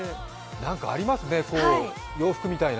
何かありますね、洋服みたいな。